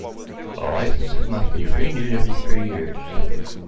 Licenses must be renewed every three years.